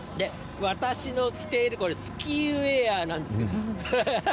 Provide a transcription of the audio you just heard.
私の着ているこれ、スキーウエアなんです。